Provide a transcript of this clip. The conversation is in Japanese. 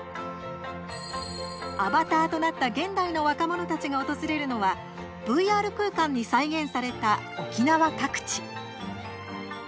アバターとなった現代の若者たちが訪れるのはＶＲ空間に再現された沖縄各地。